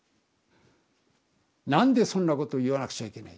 なんでそんなこと言わなくちゃいけない。